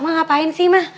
mak ngapain sih mah